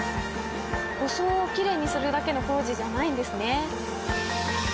装をきれいにするだけの工事じゃないんですね。